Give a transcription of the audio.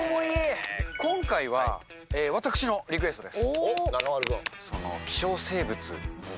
今回は、私のリクエストです。